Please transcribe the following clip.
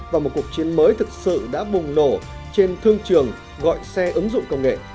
khi cuộc chiến mới thực sự đã bùng nổ trên thương trường gọi xe ứng dụng công nghệ